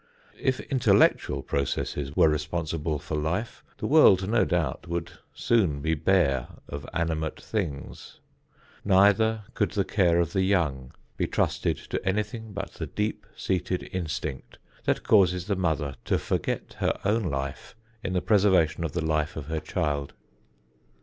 If intellectual processes were responsible for life, the world no doubt would soon be bare of animate things. Neither could the care of the young be trusted to anything but the deep seated instinct that causes the mother to forget her own life in the preservation of the life of her child.